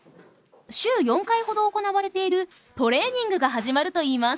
週４回ほど行われているトレーニングが始まるといいます。